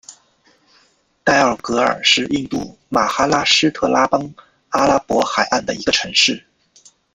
代奥格尔是印度马哈拉施特拉邦阿拉伯海岸的一个城市。